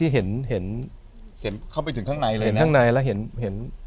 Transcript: เห็นข้างในแล้วเห็น